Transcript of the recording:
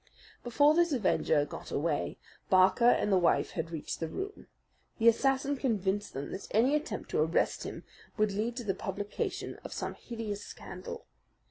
"Before this avenger got away, Barker and the wife had reached the room. The assassin convinced them that any attempt to arrest him would lead to the publication of some hideous scandal.